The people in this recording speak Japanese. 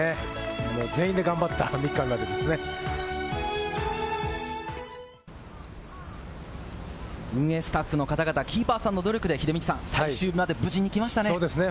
全員で頑張った３日間で運営スタッフの方々、キーパーソンの努力で最終日まで無事、来ましたね。